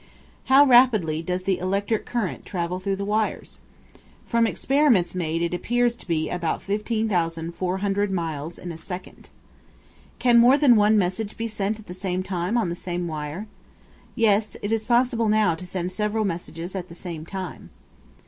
How rapidly does the electric current travel through the wires? From experiments made it appears to be about 15,400 miles in a second. Can more than one message be sent at the same time on the same wire? Yes; it is possible now to send several messages at the same time.